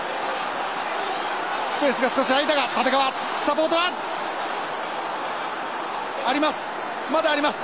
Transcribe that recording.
スペースが少しあいたが立川サポートはあります。